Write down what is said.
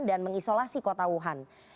dan mengisolasi kota wuhan